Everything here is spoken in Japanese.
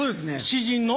詩人の？